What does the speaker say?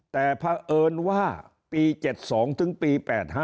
แต่เผอิญว่าปี๗๒ถึงปี๘๕